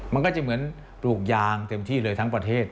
มันก็จะเหมือนปลูกยางเต็มที่เลยทั้งประเทศ